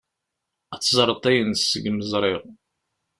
Ad teẓreḍ ayen seg-m ẓriɣ.